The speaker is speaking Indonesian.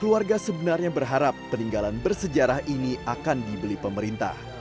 keluarga sebenarnya berharap peninggalan bersejarah ini akan dibeli pemerintah